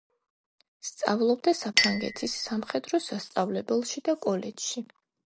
სწავლობდა საფრანგეთის სამხედრო სასწავლებელში და კოლეჯში.